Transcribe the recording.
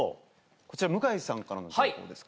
こちら向井さんからの情報です。